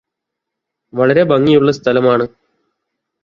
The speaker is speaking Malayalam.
വളരെ ഭംഗിയുള്ള സ്ഥലമാണ്